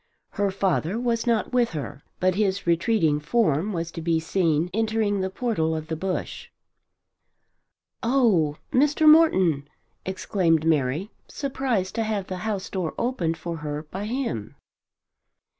Her father was not with her, but his retreating form was to be seen entering the portal of the Bush. "Oh, Mr. Morton!" exclaimed Mary surprised to have the house door opened for her by him.